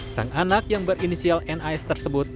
sang anak yang berinisial nas tersebut